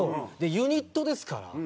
ユニットですから。